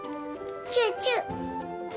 チューチュー。